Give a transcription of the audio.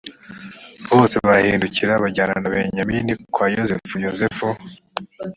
bose barahindukiye bajyana na benyamini kwa yozefu yozefu